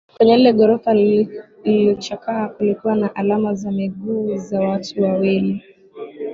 Kwenye lile gorofa lililochakaa kulikuwa na alama za miguu za wawu wawili